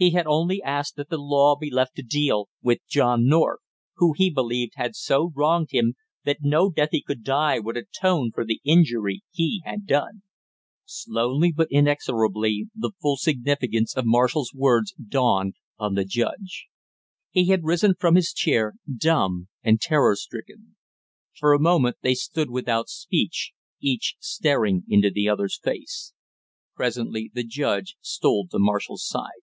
He had only asked that the law be left to deal with John North, who, he believed, had so wronged him that no death he could die would atone for the injury he had done. Slowly but inexorably the full significance of Marshall's words dawned on the judge. He had risen from his chair dumb and terror stricken. For a moment they stood without speech, each staring into the other's face. Presently the judge stole to Marshall's side.